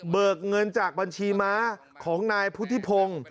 เงินจากบัญชีม้าของนายพุทธิพงศ์